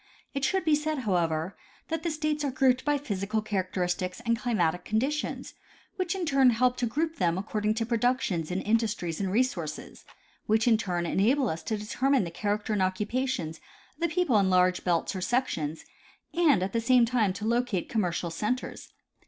It should be said, however, that the states are grouped by physical characteristics and climatic conditions, which in turn help to group them according to productions and industries and resources, which in turn enable us to determine the character and occupations of the people in large belts or sections, and at the same time to locate commercial centers.